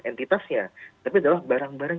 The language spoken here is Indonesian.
entitasnya tapi adalah barang barang